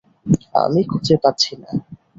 আমি খুজে পাচ্ছি না।